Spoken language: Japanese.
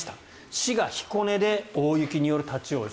滋賀・彦根で大雪による立ち往生